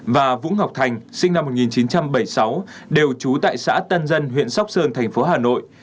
và vũ ngọc thành sinh năm một nghìn chín trăm bảy mươi sáu đều trú tại xã tân dân huyện sóc sơn thành phố hà nội